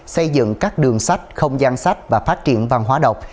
xây dựng các đường sách không gian sách và phát triển văn hóa đọc